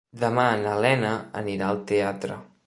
Demà na Lena anirà al teatre.